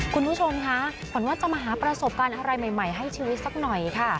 คุณผู้ชมคะขวัญว่าจะมาหาประสบการณ์อะไรใหม่ให้ชีวิตสักหน่อยค่ะ